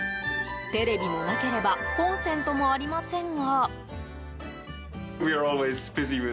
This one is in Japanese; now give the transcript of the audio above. テレビもなければコンセントもありませんが。